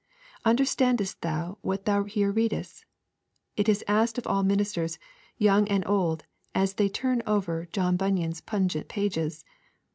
Understandest thou what thou here readest? it is asked of all ministers, young and old, as they turn over John Bunyan's pungent pages.